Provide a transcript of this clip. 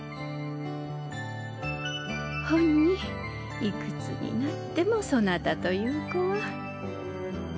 ほんにいくつになってもそなたという子は。